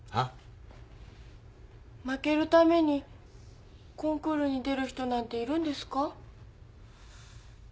負けるためにコンクールに出る人なんているんですか？